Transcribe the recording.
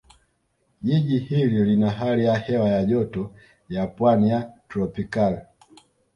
Jiji hili lina hali ya hewa ya Joto ya Pwani ya Tropicali